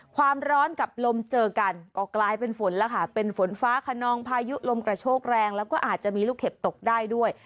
ความร้อนกับลมเจอกันก็กลายเป็นฝนแล้วค่ะเป็นฝนฟ้าขนองพายุลมกระโชกแรงแล้วก็อาจจะมีลูกเห็บตกได้ด้วย